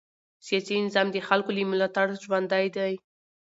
سیاسي نظام د خلکو له ملاتړ ژوندی دی